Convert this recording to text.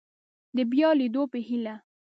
د بیا لیدو په هیله